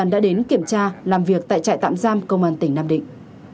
tại trại tạm giam công an tỉnh nam định